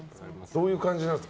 どういう感じですか？